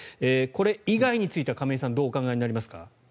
これ以外については亀井さんはどうお考えになりますか。